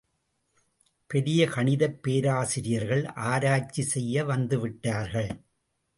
பெரிய கணிதப் பேராசிரியர்கள் ஆராய்ச்சி செய்ய வந்து விட்டார்கள்!